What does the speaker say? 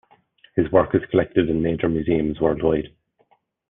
His work is collected in major museums worldwide.